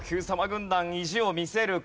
軍団意地を見せるか？